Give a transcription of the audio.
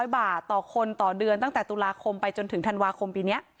๐บาทต่อคนต่อเดือนตั้งแต่ตุลาคมไปจนถึงธันวาคมปีนี้